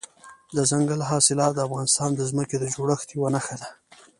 دځنګل حاصلات د افغانستان د ځمکې د جوړښت یوه نښه ده.